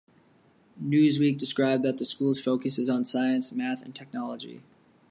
Newsweek described that the school's "Focus is on science, math and technology".